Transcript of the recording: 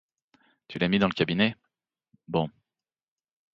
Tu l'as mis dans le cabinet, bon!